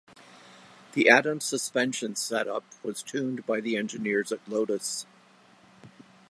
The Atom suspension setup was tuned by the engineers at Lotus.